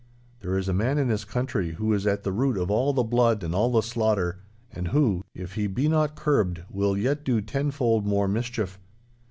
'There is a man in this country who is at the root of all the blood and all the slaughter, and who, if he be not curbed, will yet do tenfold more mischief.